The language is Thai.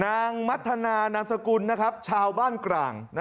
มัธนานามสกุลชาวบ้านกลาง